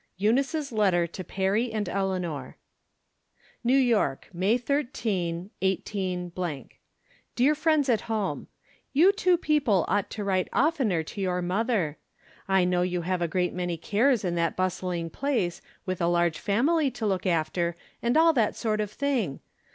EUNICE S LETTEE TO PEEBY AND ELEAN"OE. New Yoek, May 13, 18—. Dear Friends at Home : You two people ought to write oftener to j'our mother. I know you have a great many cares in that bustling place, with a large family to look after, and all that sort of thing